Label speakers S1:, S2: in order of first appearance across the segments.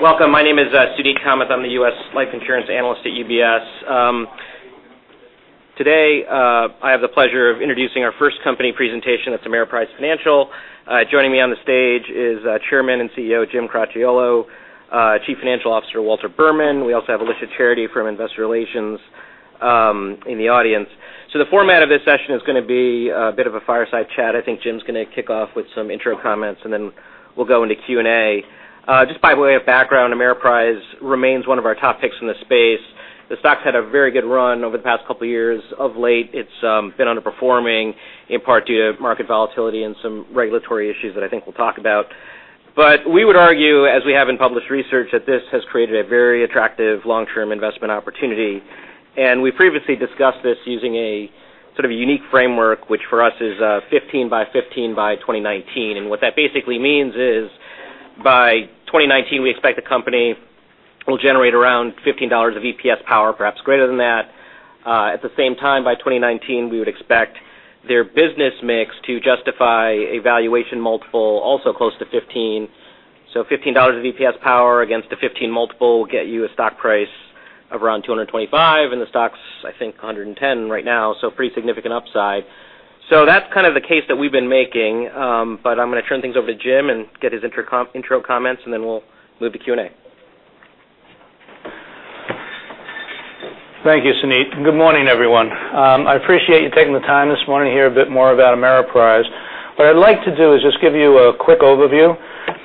S1: Welcome. My name is Suneet Kamath. I'm the U.S. life insurance analyst at UBS. Today, I have the pleasure of introducing our first company presentation. That's Ameriprise Financial. Joining me on the stage is Chairman and CEO, Jim Cracchiolo, Chief Financial Officer, Walter Berman. We also have Alicia Charity from Investor Relations in the audience. The format of this session is going to be a bit of a fireside chat. I think Jim's going to kick off with some intro comments, and then we'll go into Q&A. Just by way of background, Ameriprise remains one of our top picks in the space. The stock's had a very good run over the past couple of years. Of late, it's been underperforming, in part due to market volatility and some regulatory issues that I think we'll talk about. We would argue, as we have in published research, that this has created a very attractive long-term investment opportunity. We previously discussed this using a sort of unique framework, which for us is a 15 by 15 by 2019. What that basically means is, by 2019, we expect the company will generate around $15 of EPS power, perhaps greater than that. At the same time, by 2019, we would expect their business mix to justify a valuation multiple also close to 15. $15 of EPS power against a 15 multiple will get you a stock price of around $225, and the stock's, I think, $110 right now. Pretty significant upside. That's kind of the case that we've been making. I'm going to turn things over to Jim and get his intro comments, and then we'll move to Q&A.
S2: Thank you, Suneet. Good morning, everyone. I appreciate you taking the time this morning to hear a bit more about Ameriprise. What I'd like to do is just give you a quick overview,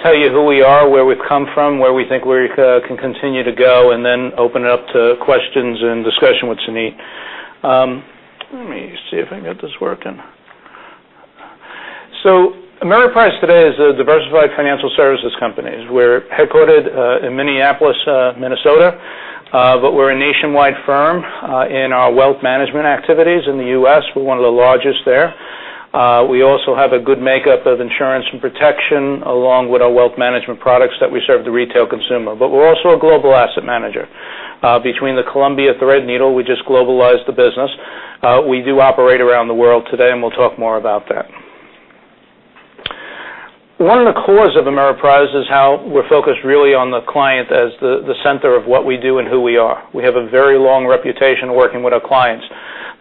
S2: tell you who we are, where we've come from, where we think we can continue to go, and then open it up to questions and discussion with Suneet. Let me see if I can get this working. Ameriprise today is a diversified financial services company. We're headquartered in Minneapolis, Minnesota, but we're a nationwide firm in our wealth management activities in the U.S. We're one of the largest there. We also have a good makeup of insurance and protection, along with our wealth management products that we serve the retail consumer. We're also a global asset manager. Between the Columbia Threadneedle, we just globalized the business. We do operate around the world today, we'll talk more about that. One of the cores of Ameriprise is how we're focused really on the client as the center of what we do and who we are. We have a very long reputation working with our clients.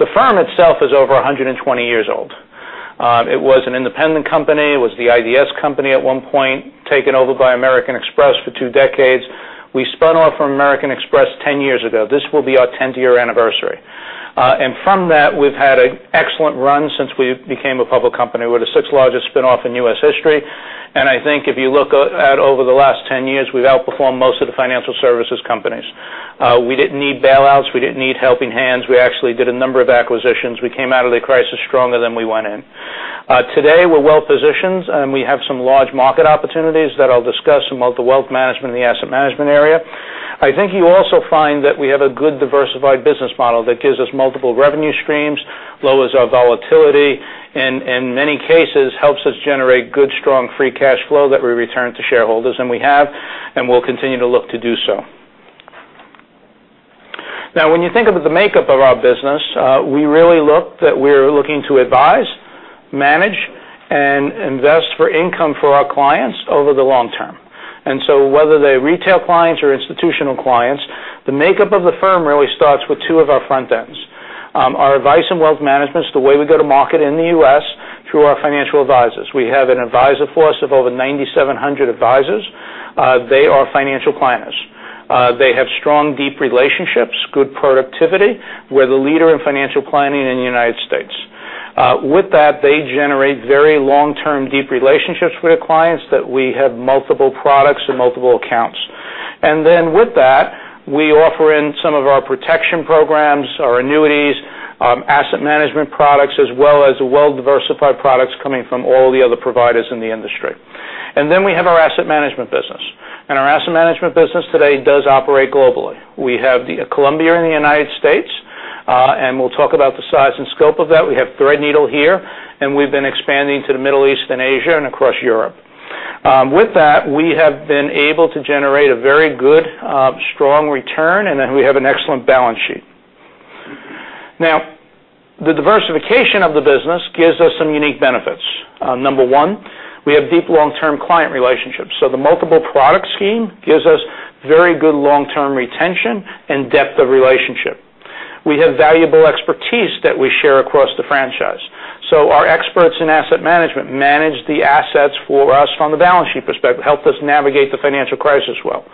S2: The firm itself is over 120 years old. It was an independent company. It was the IDS company at one point, taken over by American Express for two decades. We spun off from American Express 10 years ago. This will be our tenth-year anniversary. From that, we've had an excellent run since we became a public company. We're the sixth largest spinoff in U.S. history, I think if you look at over the last 10 years, we've outperformed most of the financial services companies. We didn't need bailouts. We didn't need helping hands. We actually did a number of acquisitions. We came out of the crisis stronger than we went in. Today we're well-positioned, and we have some large market opportunities that I'll discuss about the wealth management and the asset management area. I think you also find that we have a good diversified business model that gives us multiple revenue streams, lowers our volatility, and in many cases, helps us generate good, strong, free cash flow that we return to shareholders, and we have, and we'll continue to look to do so. When you think about the makeup of our business, we really look that we're looking to advise, manage, and invest for income for our clients over the long term. Whether they're retail clients or institutional clients, the makeup of the firm really starts with two of our front ends. Our advice and wealth management is the way we go to market in the U.S. through our financial advisors. We have an advisor force of over 9,700 advisors. They are financial planners. They have strong, deep relationships, good productivity. We're the leader in financial planning in the United States. With that, they generate very long-term, deep relationships with their clients that we have multiple products and multiple accounts. With that, we offer in some of our protection programs, our annuities, asset management products, as well as well-diversified products coming from all the other providers in the industry. We have our asset management business. Our asset management business today does operate globally. We have Columbia in the United States, and we'll talk about the size and scope of that. We have Threadneedle here, and we've been expanding to the Middle East and Asia and across Europe. With that, we have been able to generate a very good, strong return, and then we have an excellent balance sheet. The diversification of the business gives us some unique benefits. Number 1, we have deep long-term client relationships, so the multiple product scheme gives us very good long-term retention and depth of relationship. We have valuable expertise that we share across the franchise. Our experts in asset management manage the assets for us from the balance sheet perspective, helped us navigate the financial crisis well.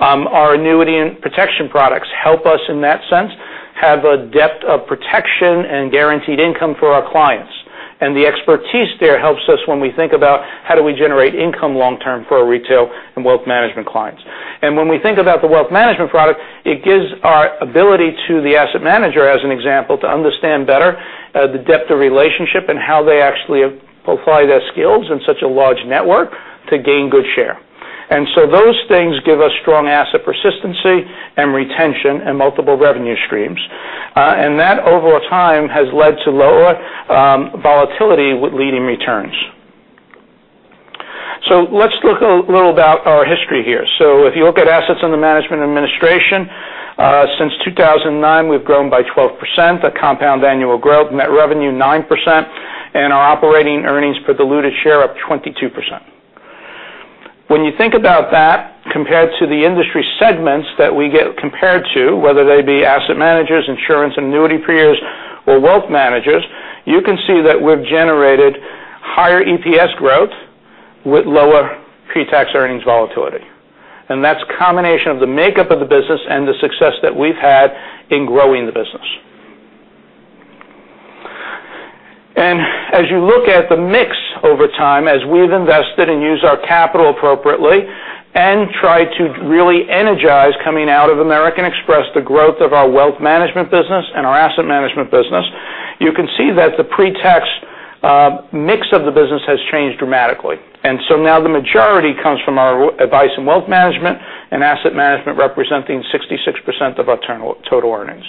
S2: Our annuity and protection products help us in that sense, have a depth of protection and guaranteed income for our clients. The expertise there helps us when we think about how do we generate income long term for our retail and wealth management clients. When we think about the wealth management product, it gives our ability to the asset manager, as an example, to understand better the depth of relationship and how they actually apply their skills in such a large network to gain good share. Those things give us strong asset persistency and retention and multiple revenue streams. That, over time, has led to lower volatility with leading returns. Let's look a little about our history here. If you look at assets under management and administration Since 2009, we've grown by 12%, a compound annual growth, net revenue 9%, and our operating earnings per diluted share up 22%. When you think about that, compared to the industry segments that we get compared to, whether they be asset managers, insurance and annuity peers, or wealth managers, you can see that we've generated higher EPS growth with lower pre-tax earnings volatility. That's a combination of the makeup of the business and the success that we've had in growing the business. As you look at the mix over time, as we've invested and used our capital appropriately and tried to really energize coming out of American Express, the growth of our wealth management business and our asset management business, you can see that the pre-tax mix of the business has changed dramatically. Now the majority comes from our advice in wealth management and asset management, representing 66% of our total earnings.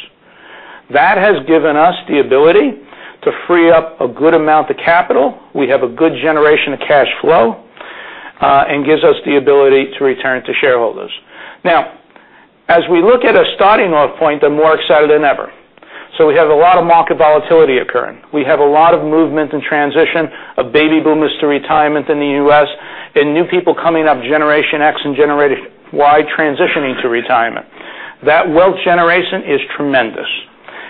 S2: That has given us the ability to free up a good amount of capital. We have a good generation of cash flow, and gives us the ability to return to shareholders. Now, as we look at a starting off point, I'm more excited than ever. We have a lot of market volatility occurring. We have a lot of movement and transition of baby boomers to retirement in the U.S. and new people coming up, Generation X and Generation Y, transitioning to retirement. That wealth generation is tremendous.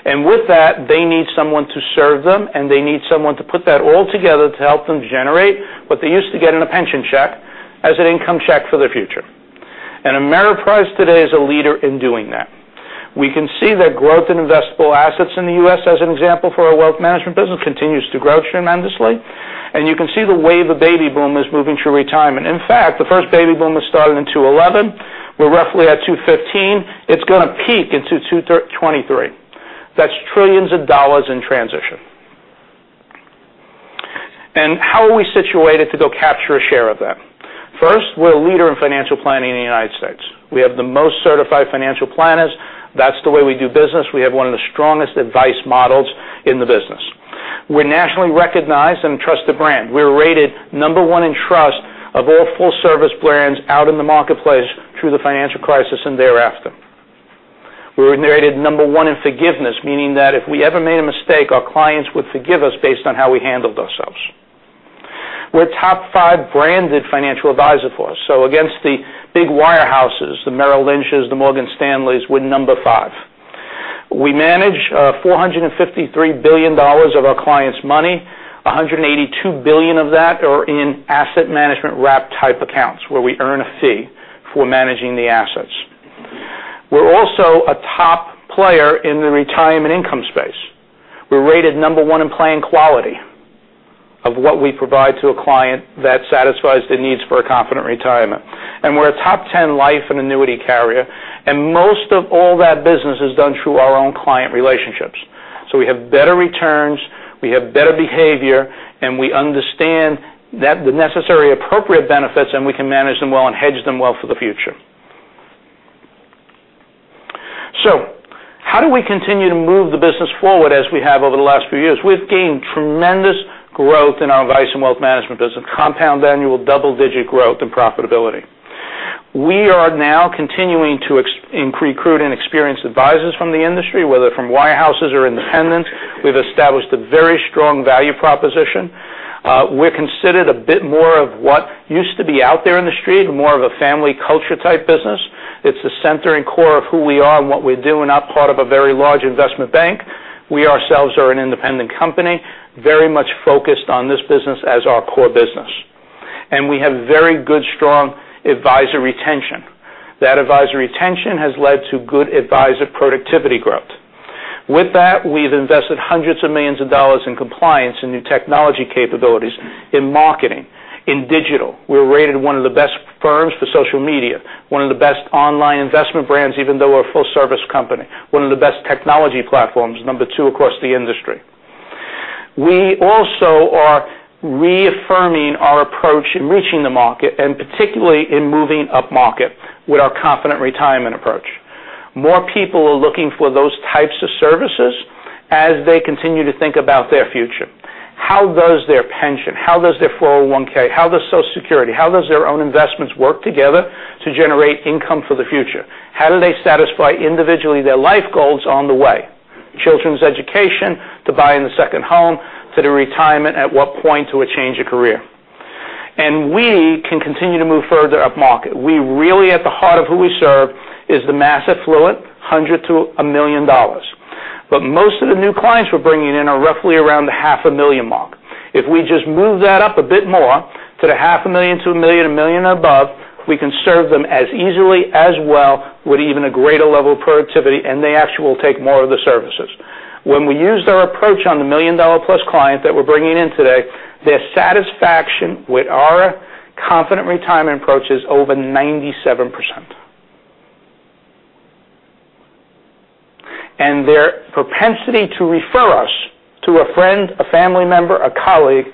S2: With that, they need someone to serve them, and they need someone to put that all together to help them generate what they used to get in a pension check as an income check for their future. Ameriprise today is a leader in doing that. We can see that growth in investable assets in the U.S., as an example, for our wealth management business, continues to grow tremendously, and you can see the wave of baby boomers moving to retirement. In fact, the first baby boomers started in 2011. We're roughly at 2015. It's going to peak into 2023. That's trillions of dollars in transition. How are we situated to go capture a share of that? First, we're a leader in financial planning in the United States. We have the most Certified Financial Planners. That's the way we do business. We have one of the strongest advice models in the business. We're nationally recognized and trusted brand. We're rated number one in trust of all full-service brands out in the marketplace through the financial crisis and thereafter. We were rated number one in forgiveness, meaning that if we ever made a mistake, our clients would forgive us based on how we handled ourselves. We're a top five branded financial advisor force. Against the big wirehouses, the Merrill Lynches, the Morgan Stanleys, we're number five. We manage $453 billion of our clients' money, $182 billion of that are in asset management wrap-type accounts, where we earn a fee for managing the assets. We're also a top player in the retirement income space. We're rated number one in plan quality of what we provide to a client that satisfies the needs for a Confident Retirement. Most of all that business is done through our own client relationships. We have better returns, we have better behavior, and we understand that the necessary appropriate benefits, and we can manage them well and hedge them well for the future. How do we continue to move the business forward as we have over the last few years? We've gained tremendous growth in our Advice & Wealth Management business, compound annual double-digit growth and profitability. We are now continuing to recruit inexperienced advisors from the industry, whether from wirehouses or independents. We've established a very strong value proposition. We're considered a bit more of what used to be out there in the street, more of a family culture type business. It's the center and core of who we are and what we do and not part of a very large investment bank. We ourselves are an independent company, very much focused on this business as our core business. We have very good, strong advisor retention. That advisor retention has led to good advisor productivity growth. With that, we've invested $ hundreds of millions in compliance and new technology capabilities in marketing, in digital. We're rated one of the best firms for social media, one of the best online investment brands, even though we're a full-service company, one of the best technology platforms, number 2 across the industry. We also are reaffirming our approach in reaching the market and particularly in moving upmarket with our Confident Retirement approach. More people are looking for those types of services as they continue to think about their future. How does their pension, how does their 401(k), how does Social Security, how does their own investments work together to generate income for the future? How do they satisfy individually their life goals on the way? Children's education to buying a second home, to their retirement, at what point to a change of career. We can continue to move further upmarket. We really at the heart of who we serve is the mass affluent, $100-$1 million. Most of the new clients we're bringing in are roughly around the half a million mark. If we just move that up a bit more to the half a million to $1 million, $1 million above, we can serve them as easily as well with even a greater level of productivity, and they actually will take more of the services. When we use our approach on the million-dollar-plus client that we're bringing in today, their satisfaction with our Confident Retirement approach is over 97%. Their propensity to refer us to a friend, a family member, a colleague,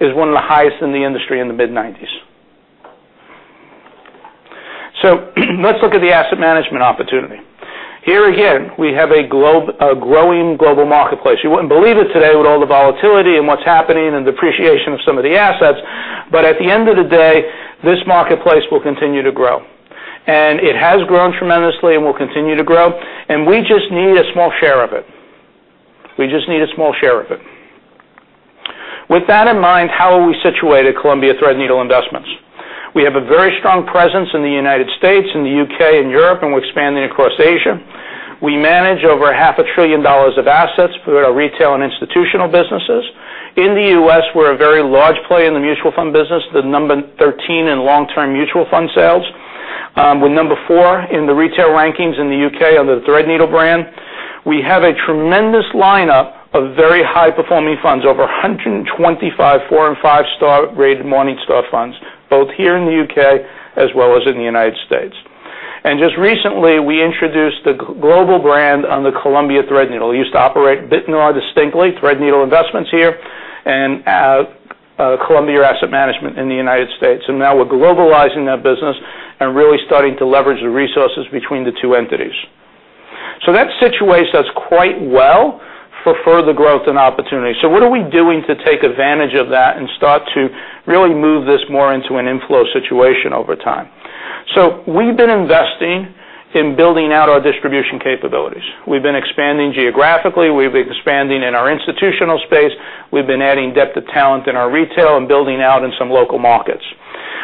S2: is one of the highest in the industry in the mid-90s. Let's look at the asset management opportunity. Here again, we have a growing global marketplace. You wouldn't believe it today with all the volatility and what's happening and depreciation of some of the assets. At the end of the day, this marketplace will continue to grow. It has grown tremendously and will continue to grow, and we just need a small share of it. We just need a small share of it. With that in mind, how are we situated, Columbia Threadneedle Investments? We have a very strong presence in the U.S., in the U.K., and Europe, and we're expanding across Asia. We manage over $ half a trillion of assets through our retail and institutional businesses. In the U.S., we're a very large play in the mutual fund business, the number 13 in long-term mutual fund sales. We're number 4 in the retail rankings in the U.K. under the Threadneedle brand. We have a tremendous lineup of very high-performing funds, over 125 four and five-star rated Morningstar funds, both here in the U.K. as well as in the United States. Just recently, we introduced the global brand under Columbia Threadneedle. We used to operate a bit more distinctly, Threadneedle Investments here, and Columbia Management in the United States. Now we're globalizing that business and really starting to leverage the resources between the two entities. That situates us quite well for further growth and opportunity. What are we doing to take advantage of that and start to really move this more into an inflow situation over time? We've been investing in building out our distribution capabilities. We've been expanding geographically, we've been expanding in our institutional space, we've been adding depth of talent in our retail, and building out in some local markets.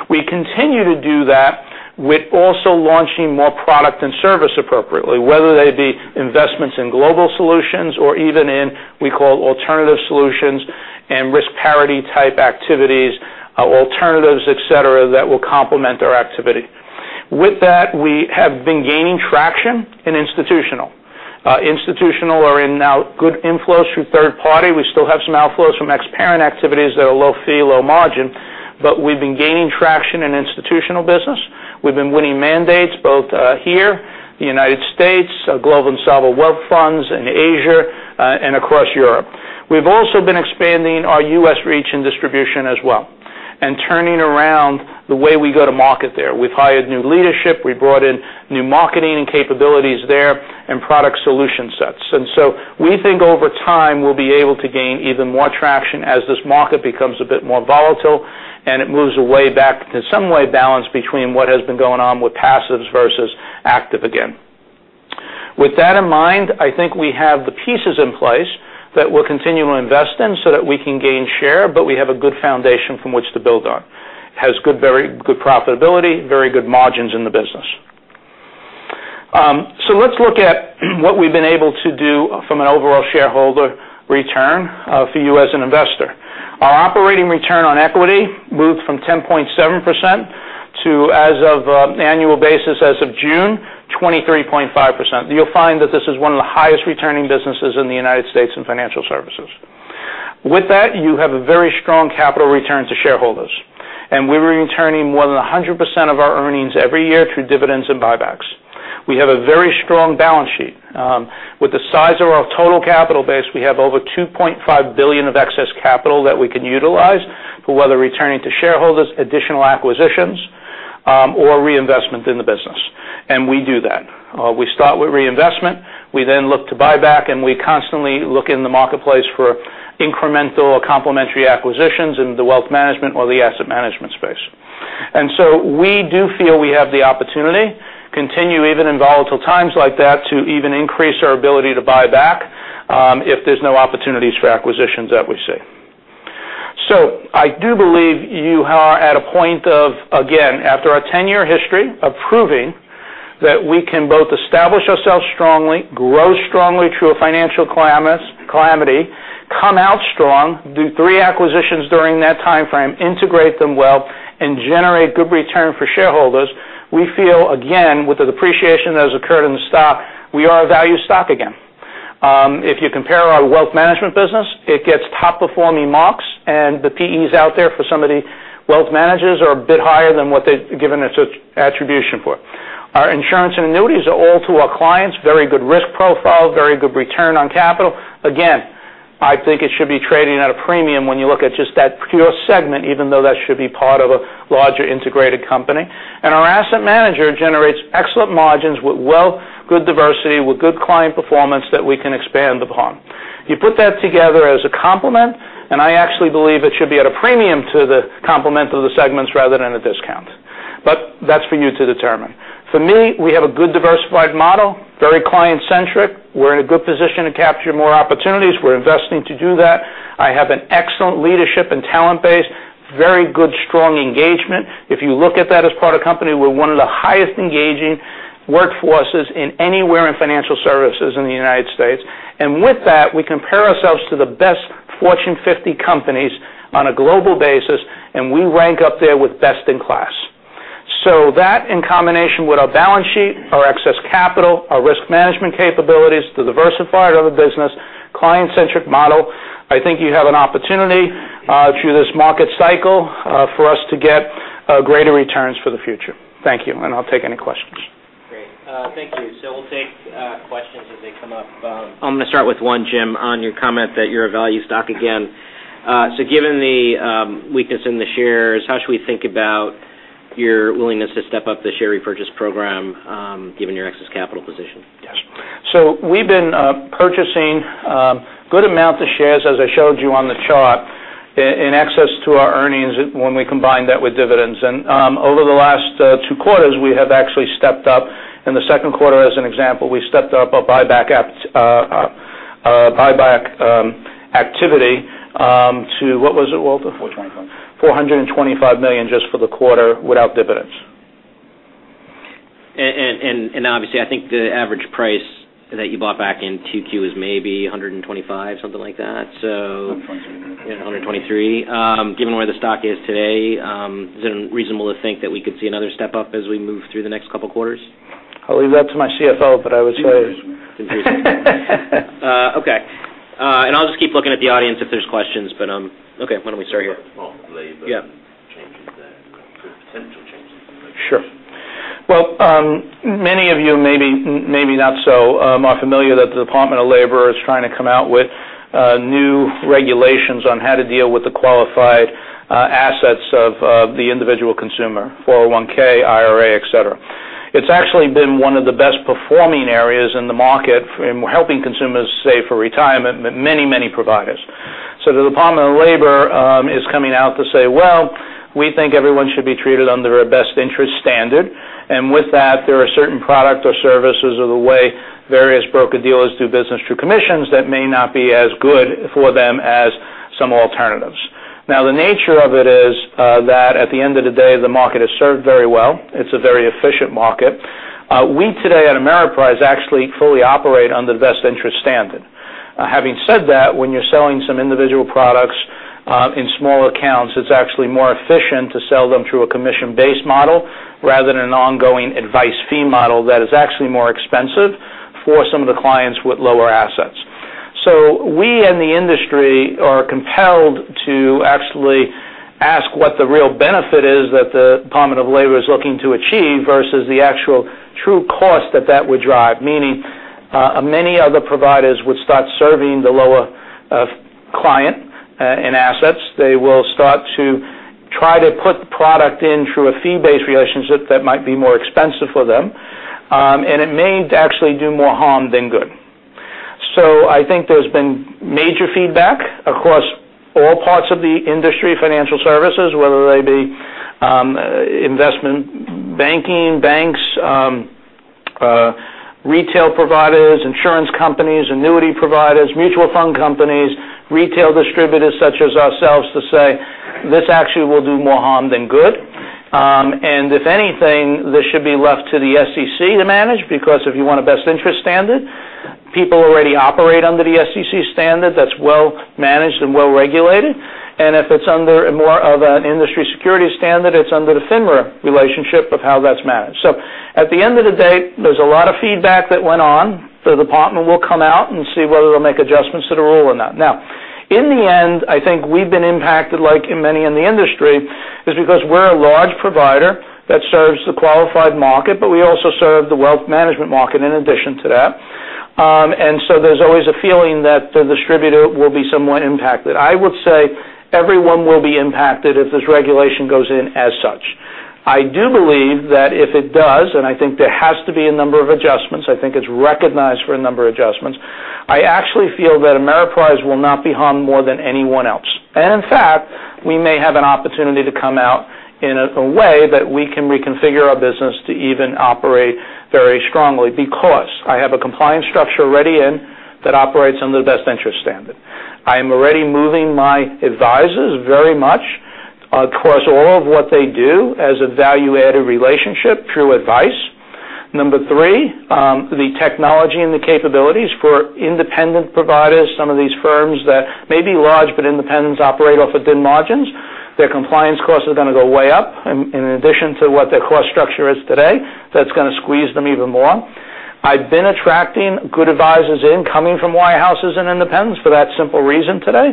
S2: We continue to do that with also launching more product and service appropriately, whether they be investments in global solutions or even in, we call alternative solutions and risk parity type activities, alternatives, et cetera, that will complement our activity. With that, we have been gaining traction in institutional. Institutional are in now good inflows through third party. We still have some outflows from ex-parent activities that are low fee, low margin, but we've been gaining traction in institutional business. We've been winning mandates both here, the United States, global and sovereign wealth funds in Asia and across Europe. We've also been expanding our U.S. reach and distribution as well, and turning around the way we go to market there. We've hired new leadership, we brought in new marketing capabilities there, and product solution sets. We think over time, we'll be able to gain even more traction as this market becomes a bit more volatile and it moves away back to some way balance between what has been going on with passives versus active again. With that in mind, I think we have the pieces in place that we'll continue to invest in so that we can gain share, but we have a good foundation from which to build on. Has very good profitability, very good margins in the business. Let's look at what we've been able to do from an overall shareholder return for you as an investor. Our operating return on equity moved from 10.7% to, as of annual basis as of June, 23.5%. You'll find that this is one of the highest returning businesses in the United States in financial services. With that, you have a very strong capital return to shareholders, and we're returning more than 100% of our earnings every year through dividends and buybacks. We have a very strong balance sheet. With the size of our total capital base, we have over $2.5 billion of excess capital that we can utilize for whether returning to shareholders, additional acquisitions, or reinvestment in the business, and we do that. We start with reinvestment, we then look to buyback, and we constantly look in the marketplace for incremental or complementary acquisitions in the wealth management or the asset management space. We do feel we have the opportunity, continue even in volatile times like that, to even increase our ability to buy back if there's no opportunities for acquisitions that we see. I do believe you are at a point of, again, after our 10-year history of proving that we can both establish ourselves strongly, grow strongly through a financial calamity, come out strong, do three acquisitions during that timeframe, integrate them well, and generate good return for shareholders. We feel, again, with the depreciation that has occurred in the stock, we are a value stock again. If you compare our wealth management business, it gets top performing marks, and the PEs out there for some of the wealth managers are a bit higher than what they've given us attribution for. Our insurance and annuities are all to our clients, very good risk profile, very good return on capital. Again, I think it should be trading at a premium when you look at just that pure segment, even though that should be part of a larger integrated company. Our asset manager generates excellent margins with good diversity, with good client performance that we can expand upon. You put that together as a complement, and I actually believe it should be at a premium to the complement of the segments rather than a discount. That's for you to determine. For me, we have a good diversified model, very client-centric. We're in a good position to capture more opportunities. We're investing to do that. I have an excellent leadership and talent base, very good, strong engagement. If you look at that as part of company, we're one of the highest engaging workforces in anywhere in financial services in the U.S. With that, we compare ourselves to the best Fortune 50 companies on a global basis, and we rank up there with best in class. That, in combination with our balance sheet, our excess capital, our risk management capabilities, the diversified of the business, client-centric model, I think you have an opportunity through this market cycle for us to get greater returns for the future. Thank you, and I'll take any questions.
S1: Great. Thank you. We'll take questions as they come up. I'm going to start with one, Jim, on your comment that you're a value stock again. Given the weakness in the shares, how should we think about your willingness to step up the share repurchase program given your excess capital position?
S2: We've been purchasing a good amount of shares, as I showed you on the chart, in excess to our earnings when we combine that with dividends. Over the last two quarters, we have actually stepped up. In the second quarter, as an example, we stepped up our buyback activity to What was it, Walter?
S3: 425.
S2: $425 million just for the quarter without dividends.
S1: Obviously, I think the average price that you bought back in 2Q is maybe $125, something like that?
S2: 123.
S1: Yeah, $123. Given where the stock is today, is it reasonable to think that we could see another step up as we move through the next couple of quarters?
S2: I'll leave that to my CFO, but I would say.
S3: Two quarters.
S1: Two quarters. Okay. I'll just keep looking at the audience if there's questions. Okay, why don't we start here?
S4: Department of Labor.
S1: Yeah.
S4: Changes there, could potential changes.
S2: Sure. Well, many of you, maybe not so, are familiar that the Department of Labor is trying to come out with new regulations on how to deal with the qualified assets of the individual consumer, 401(k), IRA, et cetera. It's actually been one of the best-performing areas in the market in helping consumers save for retirement, but many, many providers. The Department of Labor is coming out to say, "We think everyone should be treated under a best interest standard." With that, there are certain product or services or the way various broker-dealers do business through commissions that may not be as good for them as some alternatives. The nature of it is that at the end of the day, the market is served very well. It's a very efficient market. We today at Ameriprise actually fully operate under the best interest standard. Having said that, when you're selling some individual products in small accounts, it's actually more efficient to sell them through a commission-based model rather than an ongoing advice fee model that is actually more expensive for some of the clients with lower assets. We in the industry are compelled to actually ask what the real benefit is that the Department of Labor is looking to achieve versus the actual true cost that that would drive, meaning, many other providers would start serving the lower client in assets. They will start to try to put the product in through a fee-based relationship that might be more expensive for them. It may actually do more harm than good. I think there's been major feedback across all parts of the industry, financial services, whether they be investment banking, banks, retail providers, insurance companies, annuity providers, mutual fund companies, retail distributors such as ourselves to say, this actually will do more harm than good. If anything, this should be left to the SEC to manage, because if you want a best interest standard, people already operate under the SEC standard that's well managed and well-regulated. If it's under more of an industry security standard, it's under the FINRA relationship of how that's managed. At the end of the day, there's a lot of feedback that went on. The department will come out and see whether they'll make adjustments to the rule or not. In the end, I think we've been impacted like many in the industry is because we're a large provider that serves the qualified market, but we also serve the wealth management market in addition to that. There's always a feeling that the distributor will be somewhat impacted. I would say everyone will be impacted if this regulation goes in as such. I do believe that if it does, and I think there has to be a number of adjustments, I think it's recognized for a number of adjustments. I actually feel that Ameriprise will not be harmed more than anyone else. In fact, we may have an opportunity to come out in a way that we can reconfigure our business to even operate very strongly because I have a compliance structure already in that operates under the best interest standard. I am already moving my advisors very much across all of what they do as a value-added relationship through advice. Number 3, the technology and the capabilities for independent providers. Some of these firms that may be large but independent, operate off of thin margins. Their compliance costs are going to go way up in addition to what their cost structure is today. That's going to squeeze them even more. I've been attracting good advisors in coming from wirehouses and independents for that simple reason today,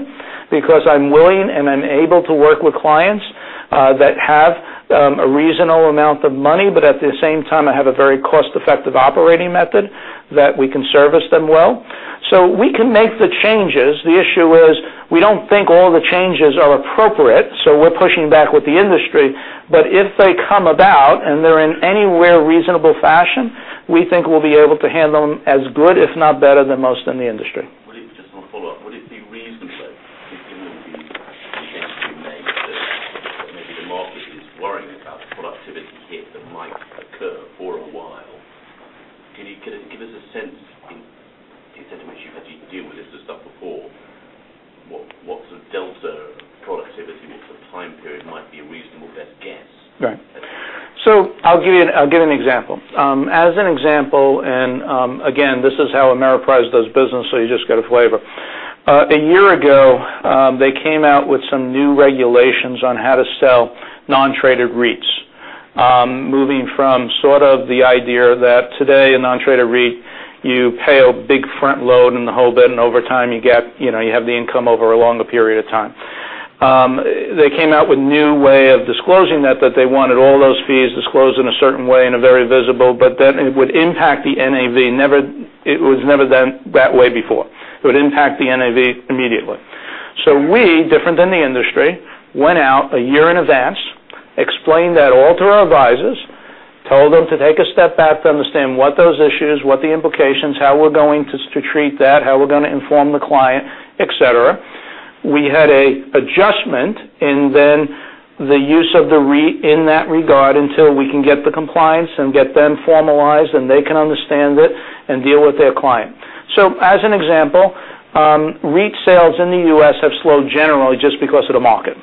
S2: because I'm willing and I'm able to work with clients that have a reasonable amount of money, but at the same time, I have a very cost-effective operating method that we can service them well. We can make the changes. The issue is we don't think all the changes are appropriate, we're pushing back with the industry. If they come about and they're in anywhere reasonable fashion, we think we'll be able to handle them as good, if not better than most in the industry.
S4: Just want to follow up. Would it be reasonable if it will be against you, mate, that maybe the market is worrying about the productivity hit that might occur for a while? Can you give us a sense, the extent to which you've had to deal with this stuff before, what sort of delta productivity over what sort of time period might be a reasonable best guess?
S2: Right. I'll give an example. As an example, and again, this is how Ameriprise does business, you just get a flavor. A year ago, they came out with some new regulations on how to sell non-traded REITs. Moving from sort of the idea that today a non-traded REIT, you pay a big front load and the whole bit, and over time you have the income over a longer period of time. They came out with new way of disclosing that, they wanted all those fees disclosed in a certain way in a very visible, it would impact the NAV. It was never that way before. It would impact the NAV immediately. We, different than the industry, went out a year in advance, Go to our advisors, tell them to take a step back to understand what those issues, what the implications, how we're going to treat that, how we're going to inform the client, et cetera. We had an adjustment in then the use of the REIT in that regard until we can get the compliance and get them formalized and they can understand it and deal with their client. As an example, REIT sales in the U.S. have slowed generally just because of the market.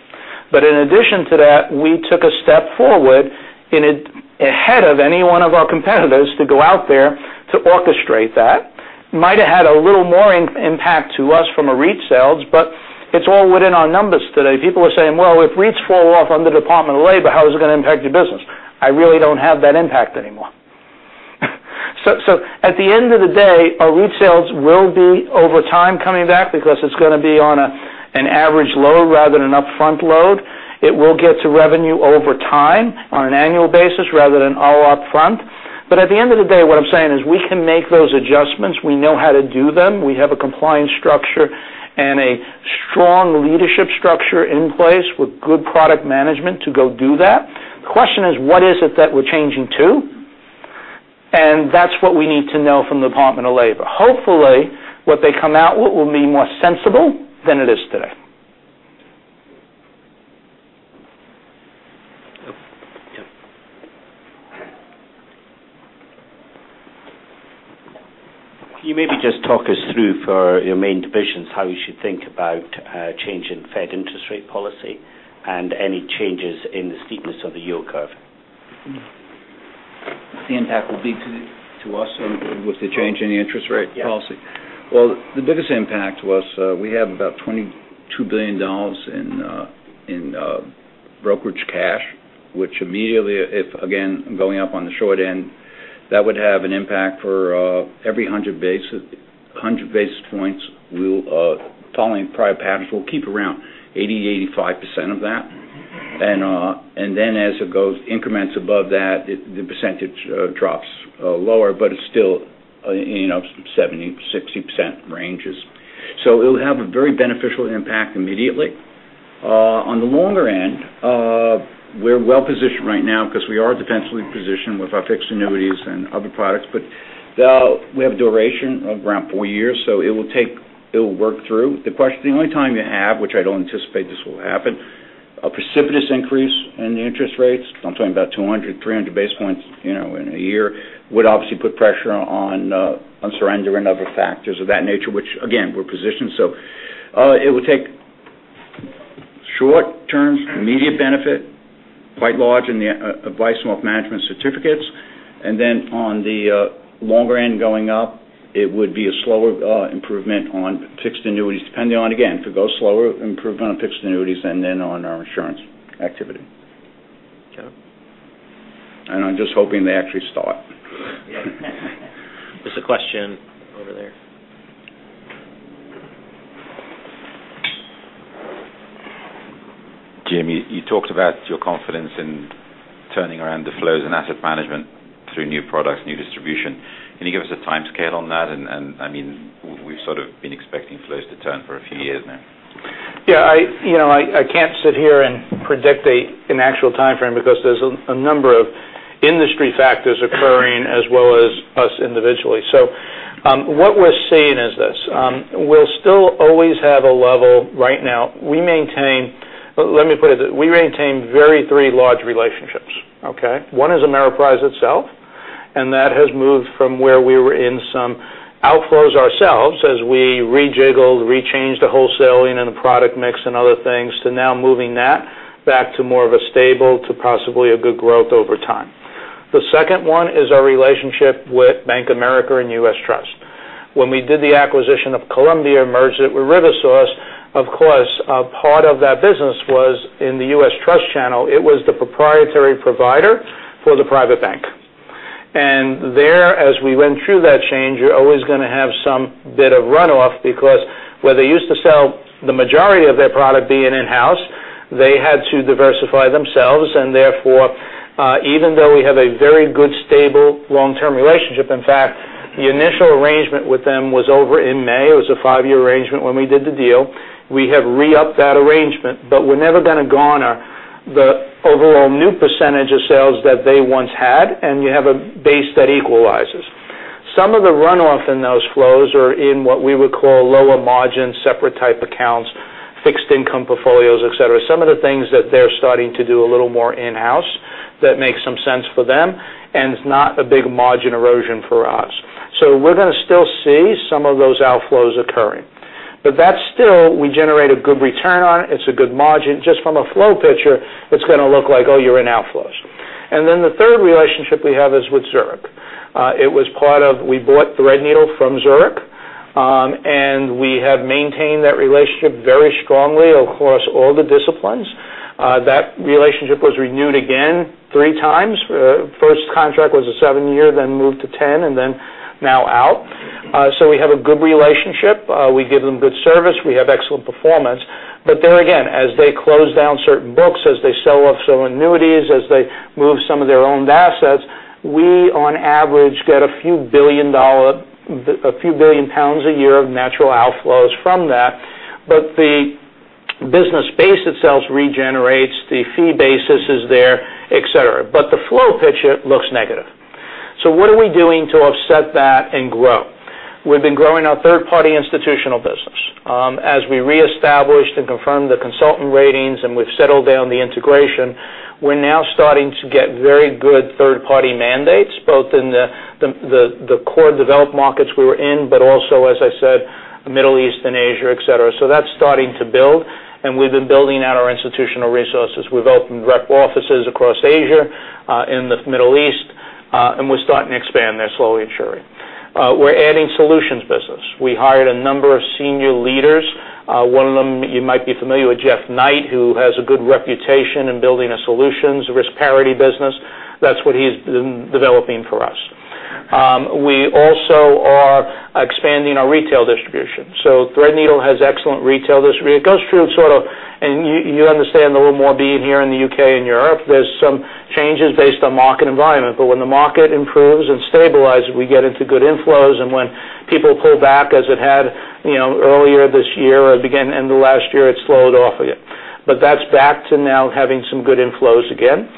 S2: In addition to that, we took a step forward in it ahead of any one of our competitors to go out there to orchestrate that. Might have had a little more impact to us from a REIT sales, it's all within our numbers today. People are saying, "Well, if REITs fall off on the Department of Labor, how is it going to impact your business?" I really don't have that impact anymore. At the end of the day, our REIT sales will be, over time, coming back because it's going to be on an average load rather than an upfront load. It will get to revenue over time on an annual basis rather than all up front. At the end of the day, what I'm saying is we can make those adjustments. We know how to do them. We have a compliance structure and a strong leadership structure in place with good product management to go do that. The question is, what is it that we're changing to? That's what we need to know from the Department of Labor. Hopefully, what they come out with will be more sensible than it is today.
S4: Can you maybe just talk us through, for your main divisions, how you should think about change in Fed interest rate policy and any changes in the steepness of the yield curve?
S2: The impact will be to us with the change in the interest rate policy?
S4: Yes.
S2: Well, the biggest impact was, we have about $22 billion in brokerage cash, which immediately, if again, going up on the short end, that would have an impact for every 100 basis points will, following prior patterns, keep around 80%-85% of that. As it goes increments above that, the percentage drops lower, but it's still 70%, 60% ranges. It'll have a very beneficial impact immediately. On the longer end, we're well-positioned right now because we are defensively positioned with our fixed annuities and other products, but we have duration of around four years, it will work through. The only time you have, which I don't anticipate this will happen, a precipitous increase in the interest rates, I'm talking about 200, 300 basis points in a year, would obviously put pressure on surrender and other factors of that nature, which again, we're positioned. It would take short-term, immediate benefit, quite large in the Advice & Wealth Management certificates. On the longer end going up, it would be a slower improvement on fixed annuities, depending on, again, it could go slower improvement on fixed annuities and then on our insurance activity.
S4: Got it.
S2: I'm just hoping they actually start.
S1: There's a question over there.
S4: Jim, you talked about your confidence in turning around the flows in asset management through new products, new distribution. Can you give us a timescale on that? I mean, we've sort of been expecting flows to turn for a few years now.
S2: I can't sit here and predict an actual timeframe because there's a number of industry factors occurring as well as us individually. What we're seeing is this, we'll still always have a level right now. Let me put it this, we maintain three large relationships. Okay? One is Ameriprise itself, and that has moved from where we were in some outflows ourselves as we re-jiggled, re-changed the wholesaling and the product mix and other things, to now moving that back to more of a stable to possibly a good growth over time. The second one is our relationship with Bank of America and U.S. Trust. When we did the acquisition of Columbia merged it with RiverSource, of course, a part of that business was in the U.S. Trust channel. It was the proprietary provider for the private bank. There, as we went through that change, you're always going to have some bit of runoff because where they used to sell the majority of their product being in-house, they had to diversify themselves, and therefore, even though we have a very good, stable, long-term relationship, in fact, the initial arrangement with them was over in May. It was a five-year arrangement when we did the deal. We have re-upped that arrangement, but we're never going to garner the overall new percentage of sales that they once had, and you have a base that equalizes. Some of the runoff in those flows are in what we would call lower margin, separate type accounts, fixed income portfolios, et cetera. Some of the things that they're starting to do a little more in-house that makes some sense for them and it's not a big margin erosion for us. We're going to still see some of those outflows occurring. That's still, we generate a good return on it. It's a good margin. Just from a flow picture, it's going to look like, oh, you're in outflows. The third relationship we have is with Zurich. It was part of, we bought Threadneedle from Zurich, and we have maintained that relationship very strongly across all the disciplines. That relationship was renewed again three times. First contract was a seven-year, then moved to 10, and then now out. We have a good relationship. We give them good service. We have excellent performance. There again, as they close down certain books, as they sell off certain annuities, as they move some of their owned assets. Average get a few billion GBP a year of natural outflows from that. The business base itself regenerates, the fee basis is there, et cetera. The flow picture looks negative. What are we doing to offset that and grow? We've been growing our third-party institutional business. As we reestablished and confirmed the consultant ratings and we've settled down the integration, we're now starting to get very good third-party mandates, both in the core developed markets we were in, but also, as I said, Middle East and Asia, et cetera. That's starting to build, and we've been building out our institutional resources. We've opened rep offices across Asia, in the Middle East, and we're starting to expand there slowly and surely. We're adding solutions business. We hired a number of senior leaders. One of them you might be familiar with, Jeff Knight, who has a good reputation in building a solutions risk parity business. That's what he's been developing for us. We also are expanding our retail distribution. Threadneedle has excellent retail distribution. It goes through, and you understand a little more being here in the U.K. and Europe, there's some changes based on market environment. When the market improves and stabilizes, we get into good inflows. When people pull back, as it had earlier this year or beginning end of last year, it slowed off again. That's back to now having some good inflows again.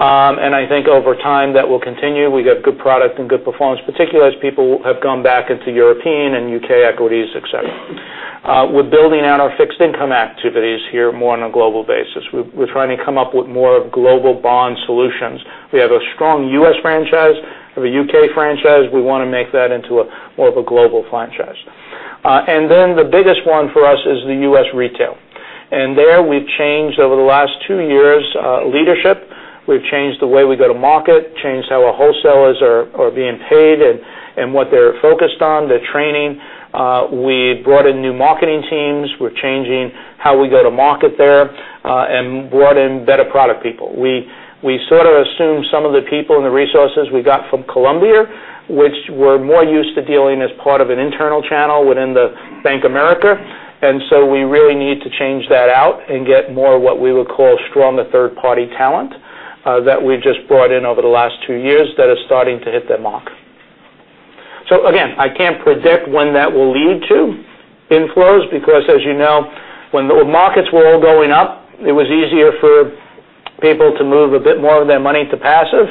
S2: I think over time, that will continue. We got good product and good performance, particularly as people have gone back into European and U.K. equities, et cetera. We're building out our fixed income activities here more on a global basis. We're trying to come up with more global bond solutions. We have a strong U.S. franchise, we have a U.K. franchise. We want to make that into more of a global franchise. The biggest one for us is the U.S. retail. There we've changed over the last two years, leadership. We've changed the way we go to market, changed how our wholesalers are being paid, and what they're focused on, their training. We brought in new marketing teams. We're changing how we go to market there, and brought in better product people. We sort of assumed some of the people and the resources we got from Columbia, which were more used to dealing as part of an internal channel within the Bank of America. We really need to change that out and get more of what we would call stronger third-party talent, that we've just brought in over the last two years that are starting to hit their mark. Again, I can't predict when that will lead to inflows because as you know, when the markets were all going up, it was easier for people to move a bit more of their money to passive.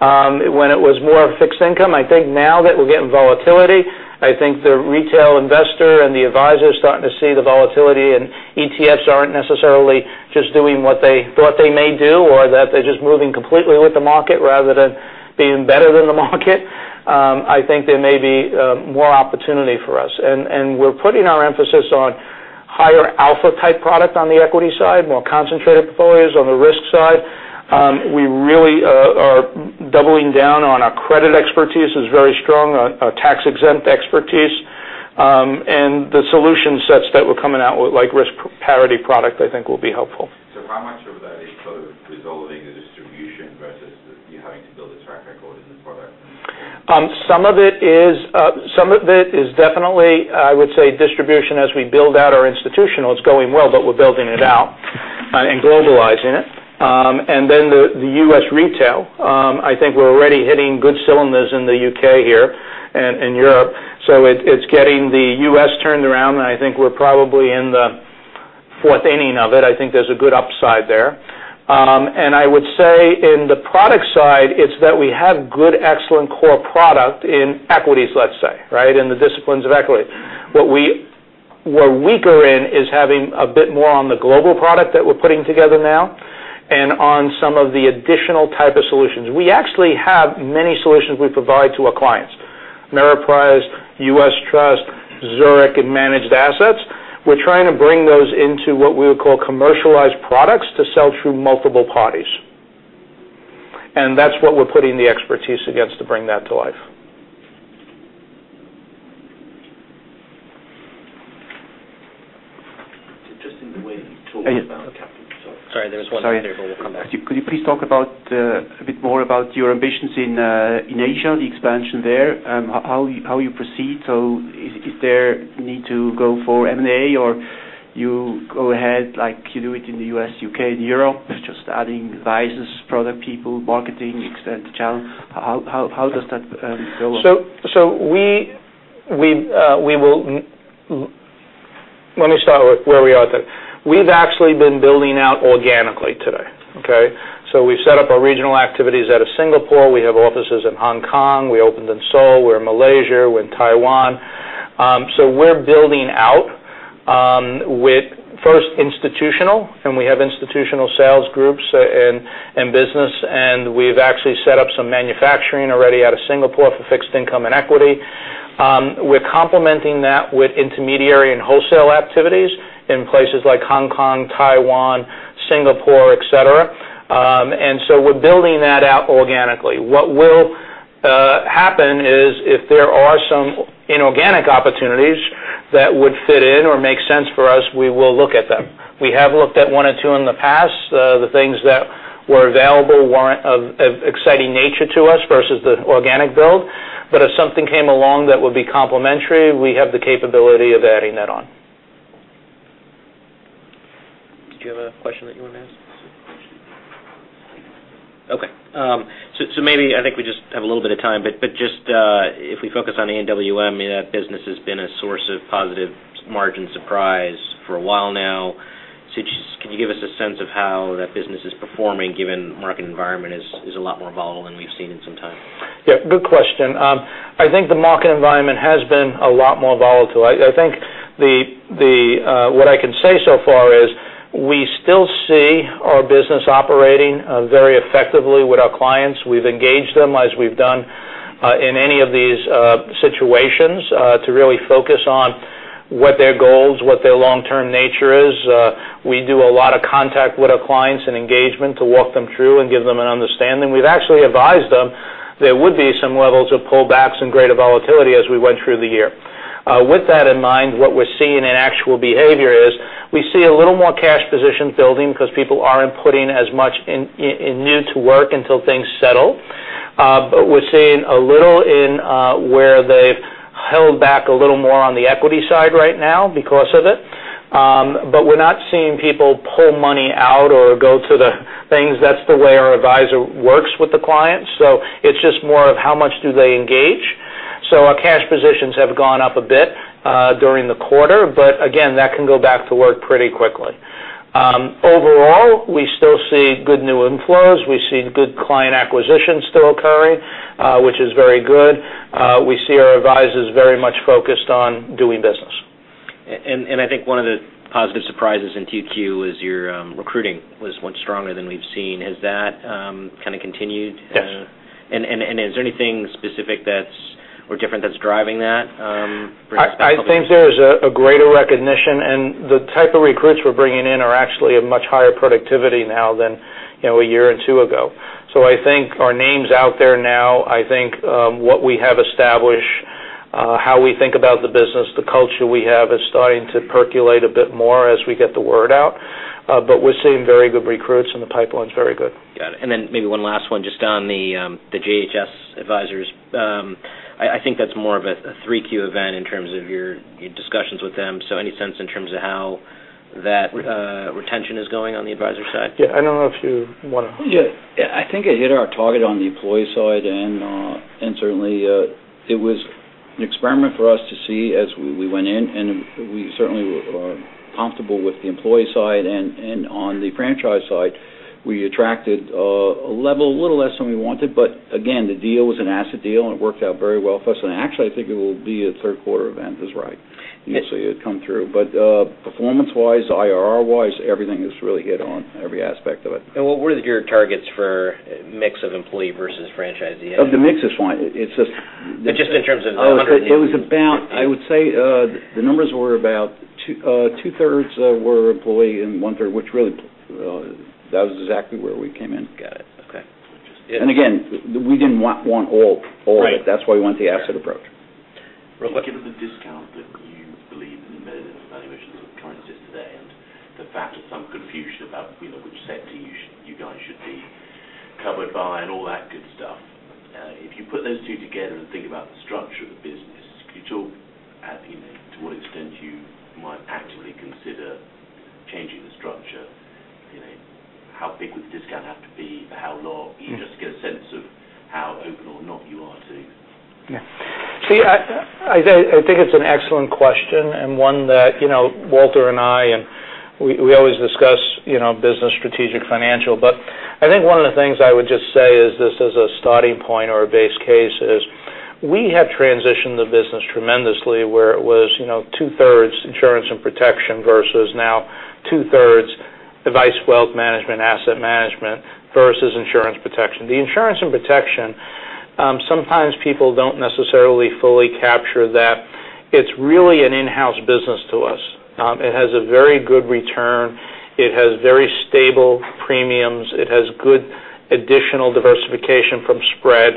S2: When it was more of fixed income, I think now that we're getting volatility, I think the retail investor and the advisor is starting to see the volatility, and ETFs aren't necessarily just doing what they thought they may do, or that they're just moving completely with the market rather than being better than the market. I think there may be more opportunity for us. We're putting our emphasis on higher alpha type product on the equity side, more concentrated portfolios on the risk side. We really are doubling down on our credit expertise, is very strong, our tax-exempt expertise, and the solution sets that we're coming out with, like risk parity product, I think will be helpful.
S4: How much of that is sort of resolving the distribution versus you having to build a track record in the product?
S2: Some of it is definitely, I would say, distribution as we build out our institutional. It's going well, but we're building it out and globalizing it. Then the U.S. retail, I think we're already hitting good cylinders in the U.K. here and in Europe. It's getting the U.S. turned around, and I think we're probably in the fourth inning of it. I think there's a good upside there. I would say in the product side, it's that we have good, excellent core product in equities, let's say, right? In the disciplines of equity. Where we're weaker in is having a bit more on the global product that we're putting together now and on some of the additional type of solutions. We actually have many solutions we provide to our clients, Ameriprise, U.S. Trust, Zurich, and managed assets. We're trying to bring those into what we would call commercialized products to sell through multiple parties. That's what we're putting the expertise against to bring that to life.
S4: It's interesting the way you talk about capital.
S1: Sorry, there was one there, we'll come back to you.
S4: Could you please talk a bit more about your ambitions in Asia, the expansion there, how you proceed. Is there need to go for M&A, or you go ahead, like you do it in the U.S., U.K., and Europe, just adding advisors, product people, marketing, extend the channel. How does that go?
S2: Let me start with where we are today. We've actually been building out organically today, okay? We set up our regional activities out of Singapore. We have offices in Hong Kong. We opened in Seoul. We're in Malaysia. We're in Taiwan. We're building out with first institutional, and we have institutional sales groups and business, and we've actually set up some manufacturing already out of Singapore for fixed income and equity. We're complementing that with intermediary and wholesale activities in places like Hong Kong, Taiwan, Singapore, et cetera. We're building that out organically. What will happen is if there are some inorganic opportunities that would fit in or make sense for us, we will look at them. We have looked at one or two in the past. The things that were available weren't of exciting nature to us versus the organic build. If something came along that would be complementary, we have the capability of adding that on.
S1: Maybe I think we just have a little bit of time, but just if we focus on AWM, that business has been a source of positive margin surprise for a while now. Can you give us a sense of how that business is performing, given market environment is a lot more volatile than we've seen in some time?
S2: Yeah, good question. I think the market environment has been a lot more volatile. I think what I can say so far is we still see our business operating very effectively with our clients. We've engaged them, as we've done in any of these situations, to really focus on what their goals, what their long-term nature is. We do a lot of contact with our clients and engagement to walk them through and give them an understanding. We've actually advised them there would be some levels of pullbacks and greater volatility as we went through the year. With that in mind, what we're seeing in actual behavior is we see a little more cash position building because people aren't putting as much in new to work until things settle. We're seeing a little in where they've held back a little more on the equity side right now because of it. We're not seeing people pull money out or go to the things. That's the way our advisor works with the clients. It's just more of how much do they engage. Our cash positions have gone up a bit during the quarter, but again, that can go back to work pretty quickly. Overall, we still see good new inflows. We see good client acquisition still occurring, which is very good. We see our advisors very much focused on doing business.
S1: I think one of the positive surprises in 2Q is your recruiting was much stronger than we've seen. Has that kind of continued?
S2: Yes.
S1: Is there anything specific or different that's driving that?
S2: I think there's a greater recognition, and the type of recruits we're bringing in are actually of much higher productivity now than a year or two ago. I think our name's out there now. I think what we have established, how we think about the business, the culture we have, is starting to percolate a bit more as we get the word out. We're seeing very good recruits, and the pipeline's very good.
S1: Got it. Then maybe one last one just on the JHS advisors. I think that's more of a 3-Q event in terms of your discussions with them. Any sense in terms of how that retention is going on the advisor side?
S2: Yeah. I don't know if you want to.
S3: Yeah. I think it hit our target on the employee side, and certainly, it was an experiment for us to see as we went in, and we certainly were comfortable with the employee side. On the franchise side, we attracted a level, a little less than we wanted. Again, the deal was an asset deal, and it worked out very well for us. Actually, I think it will be a third quarter event is right. You'll see it come through. Performance-wise, IRR-wise, everything is really hit on every aspect of it.
S1: What are your targets for mix of employee versus franchisee?
S3: The mix is fine.
S1: Just in terms of 100 new
S3: It was about, I would say the numbers were about two-thirds were employee and one-third, which really, that was exactly where we came in.
S1: Got it. Okay.
S3: Again, we didn't want all of it.
S1: Right.
S3: That's why we went the asset approach.
S1: Rob?
S4: Given the discount that you believe in the value of the current system today, and the fact of some confusion about which sector you guys should be covered by and all that good stuff, if you put those two together and think about the structure of the business, could you talk to what extent you might actively consider changing the structure? How big would the discount have to be? For how long? Just to get a sense of how open or not you are to.
S2: Yeah. See, I think it's an excellent question, and one that Walter and I, and we always discuss business strategic financial. I think one of the things I would just say is this as a starting point or a base case is we have transitioned the business tremendously, where it was two-thirds insurance and protection versus now two-thirds advice, wealth management, asset management versus insurance protection. The insurance and protection, sometimes people don't necessarily fully capture that it's really an in-house business to us. It has a very good return. It has very stable premiums. It has good additional diversification from spread.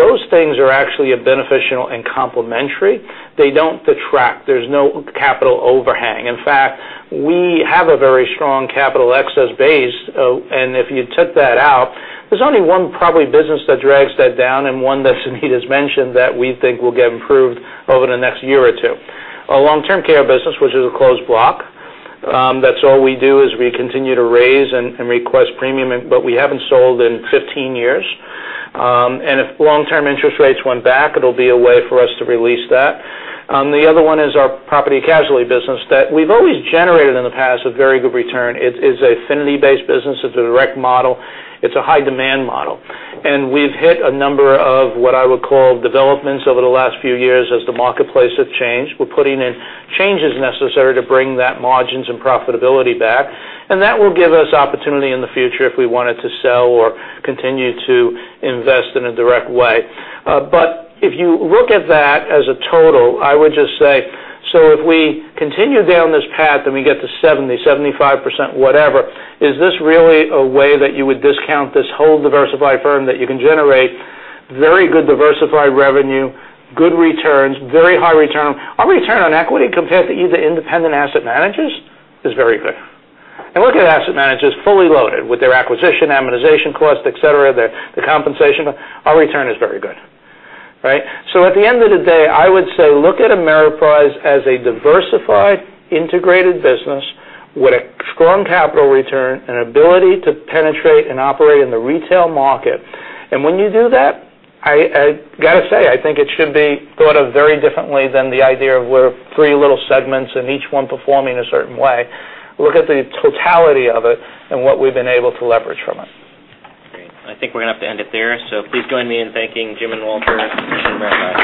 S2: Those things are actually a beneficial and complementary. They don't detract. There's no capital overhang. In fact, we have a very strong capital excess base, and if you took that out, there's only one probably business that drags that down and one that Suneet has mentioned that we think will get improved over the next year or two. Our long-term care business, which is a closed block. That's all we do is we continue to raise and request premium, but we haven't sold in 15 years. If long-term interest rates went back, it'll be a way for us to release that. The other one is our property casualty business that we've always generated in the past a very good return. It is an affinity-based business. It's a direct model. It's a high-demand model. We've hit a number of what I would call developments over the last few years as the marketplace has changed. We're putting in changes necessary to bring that margins and profitability back, and that will give us opportunity in the future if we wanted to sell or continue to invest in a direct way. If you look at that as a total, I would just say, so if we continue down this path and we get to 70%, 75%, whatever, is this really a way that you would discount this whole diversified firm that you can generate very good diversified revenue, good returns, very high return? Our return on equity compared to either independent asset managers is very good. Look at asset managers fully loaded with their acquisition, amortization cost, et cetera, the compensation. Our return is very good, right? At the end of the day, I would say, look at Ameriprise as a diversified, integrated business with a strong capital return and ability to penetrate and operate in the retail market. When you do that, I got to say, I think it should be thought of very differently than the idea of we're three little segments and each one performing a certain way. Look at the totality of it and what we've been able to leverage from it.
S1: Great. I think we're going to have to end it there. Please join me in thanking Jim and Walter and Ameriprise.